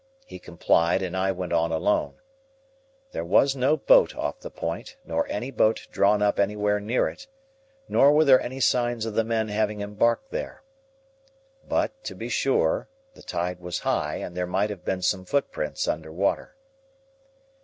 He complied, and I went on alone. There was no boat off the point, nor any boat drawn up anywhere near it, nor were there any signs of the men having embarked there. But, to be sure, the tide was high, and there might have been some footprints under water.